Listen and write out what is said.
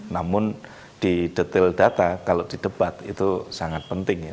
namun di detail data kalau di debat itu sangat penting ya